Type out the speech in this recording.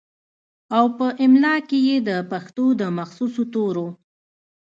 او پۀ املا کښې ئې دَپښتو دَمخصوصو تورو